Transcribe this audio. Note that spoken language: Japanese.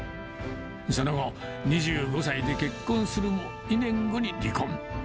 その後、２５歳で結婚するも、２年後に離婚。